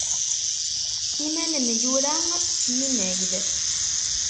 I ma nemyura s yimayl?